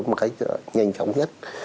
một cách nhanh chóng nhất